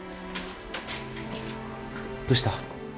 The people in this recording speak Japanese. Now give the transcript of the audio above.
どうした？